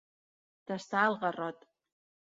Tastar el garrot.